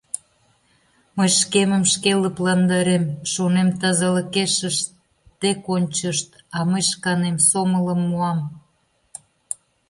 Мый шкемым шке лыпландарем: шонем, тазалыкешышт тек ончышт, а мый шканем сомылым муам.